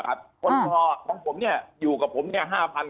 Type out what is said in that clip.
คนพอของผมอยู่กับผม๕๐๐๐๖๐๐๐คน